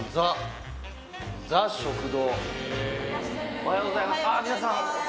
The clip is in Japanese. おはようございますあ皆さん。